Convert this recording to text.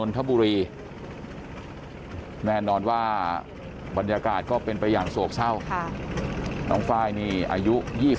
แน่นอนว่าบรรยากาศก็เป็นไปอย่างโศกเศร้าน้องไฟล์นี่อายุ๒๒